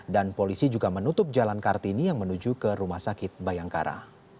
dan polisi juga menutup jalan kartini yang menuju ke rumah sakit bayangkara